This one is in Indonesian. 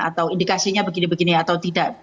atau indikasinya begini begini atau tidak